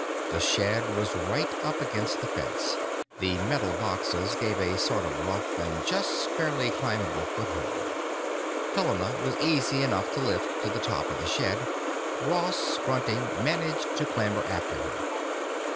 The shed was right up against the fence; the metal boxes gave a sort of rough and just barely climbable foothold. Helena was easy enough to lift to the top of the shed; Ross, grunting, managed to clamber after her.